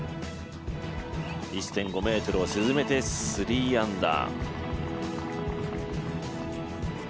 １．５ｍを沈めて３アンダー。